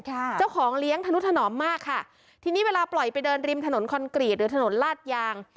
เจ้าของเลี้ยงธนุถนอมมากค่ะทีนี้เวลาปล่อยไปเดินริมถนนคอนกรีตหรือถนนลาดยาง